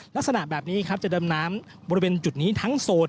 ลักษณะแบบนี้ครับจะดำน้ำบริเวณจุดนี้ทั้งโซน